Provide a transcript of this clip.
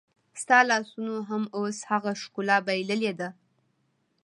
ستا لاسونو هم اوس هغه ښکلا بایللې ده